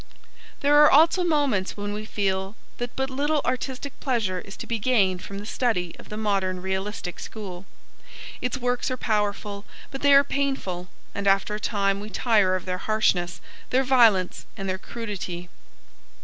There are also moments when we feel that but little artistic pleasure is to be gained from the study of the modern realistic school. Its works are powerful but they are painful, and after a time we tire of their harshness, their violence and their crudity.